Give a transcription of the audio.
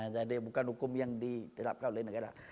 jadi bukan hukum yang diterapkan oleh negara